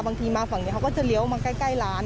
บางทีมาฝั่งนี้เขาก็จะเลี้ยวมาใกล้ร้าน